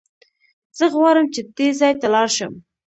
زه غواړم چې دې ځای ته لاړ شم.